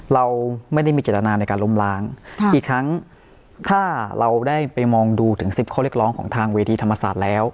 เราไม่ได้มีเจตนาในการล้มล้างอีกครั้งถ้าเราได้ไปมองดูถึง๑๐ข้อเรียกร้องของทางเวทีธรรมศาสตร์แล้ว